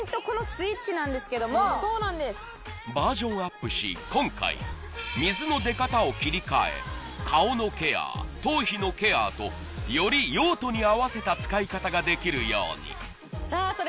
このスイッチなんですけどもバージョンアップし今回水の出方を切り替え顔のケア頭皮のケアとより用途に合わせた使い方ができるようにさあ